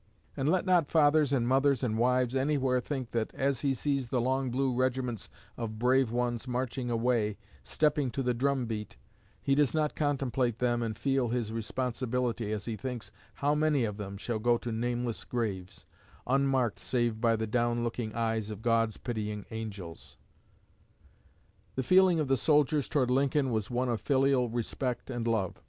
And let not fathers and mothers and wives anywhere think that as he sees the long blue regiments of brave ones marching away, stepping to the drum beat, he does not contemplate them and feel his responsibility as he thinks how many of them shall go to nameless graves, unmarked save by the down looking eyes of God's pitying angels." The feeling of the soldiers toward Lincoln was one of filial respect and love.